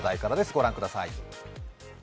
御覧ください。